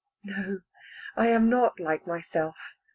No, I am not like myself.